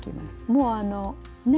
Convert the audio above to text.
もうあのね